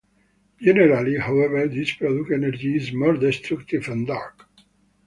Generally, however, this product energy is more destructive and dark.